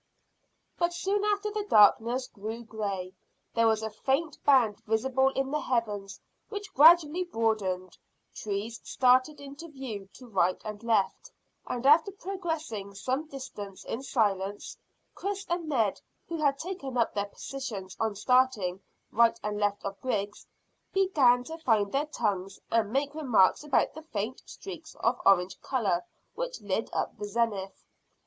But soon after the darkness grew grey, there was a faint band visible in the heavens which gradually broadened, trees started into view to right and left, and after progressing some distance in silence, Chris and Ned, who had taken up their positions on starting right and left of Griggs, began to find their tongues and make remarks about the faint streaks of orange colour which lit up the zenith.